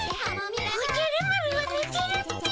おじゃる丸はねてるっピィ。